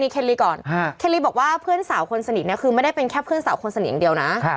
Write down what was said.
คนก็ตกใจกันอีก